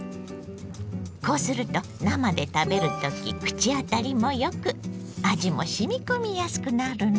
こうすると生で食べる時口当たりもよく味もしみこみやすくなるの。